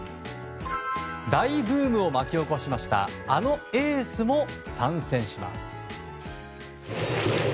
大ブームを巻き起こしたあのエースも参戦します。